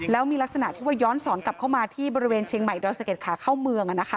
แล้วมีลักษณะที่ว่าย้อนสอนกลับเข้ามาที่บริเวณเชียงใหม่ดอยสะเก็ดขาเข้าเมือง